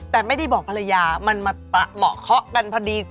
แต่ไม่ได้บอกภรรยามันมาเหมาะเคาะกันพอดี